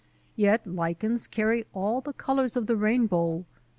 Yet lichens carry all the colours of the rainbow.